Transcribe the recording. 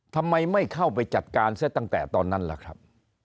ทำไมไม่เข้าไปจัดการซะตั้งแต่ตอนนั้นล่ะครับ